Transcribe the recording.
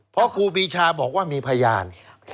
เพราะครูปีชาบอกว่ามีพยาน